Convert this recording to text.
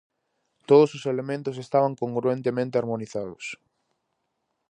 Todos os elementos estaban congruentemente harmonizados.